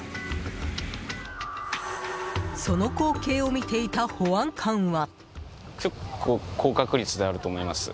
その光景を見ていた保安官は。